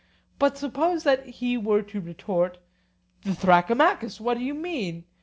But suppose that he were to retort, 'Thrasymachus, what do you mean?